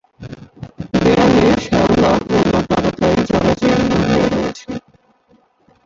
দেয়ালে শ্যাওলা ও লতাপাতায় জরাজীর্ণ হয়ে রয়েছে।